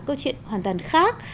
câu chuyện hoàn toàn khác